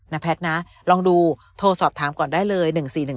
แพทย์นะลองดูโทรสอบถามก่อนได้เลย๑๔๑